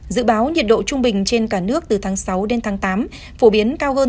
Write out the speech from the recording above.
dự báo nhiệt độ trung bình trên cả nước từ tháng sáu đến tháng tám phổ biến cao hơn